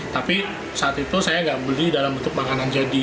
tapi saat itu saya nggak beli dalam bentuk makanan jadi